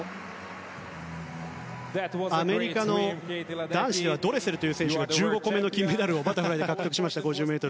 アメリカの男子ではドレセルという選手が１５個目の金メダルを５０ｍバタフライで獲得しました。